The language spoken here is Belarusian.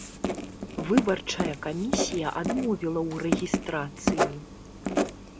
Выбарчая камісія адмовіла ў рэгістрацыі.